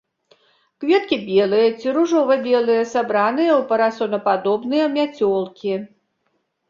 Кветкі белыя ці ружова-белыя, сабраныя ў парасонападобныя мяцёлкі.